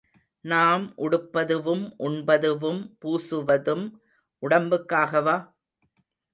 நாம் உடுப்பதுவும், உண்பதுவும், பூசுவதும் உடம்புக்காகவா?